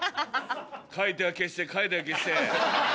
書いては消して書いては消して。